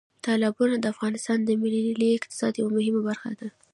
تالابونه د افغانستان د ملي اقتصاد یوه مهمه برخه ده.